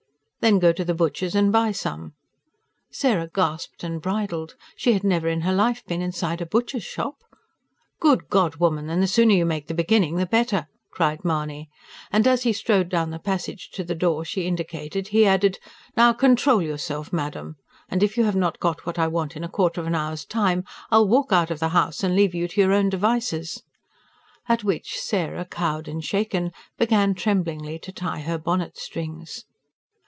"Then go to the butcher's and buy some." Sarah gasped, and bridled. She had never in her life been inside a butcher's shop! "Good God, woman, then the sooner you make the beginning the better!" cried Mahony. And as he strode down the passage to the door she indicated, he added: "Now control yourself, madam! And if you have not got what I want in a quarter of an hour's time, I'll walk out of the house and leave you to your own devices!" At which Sarah, cowed and shaken, began tremblingly to tie her bonnet strings.